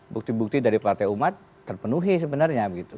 bukti bukti dari partai umat terpenuhi sebenarnya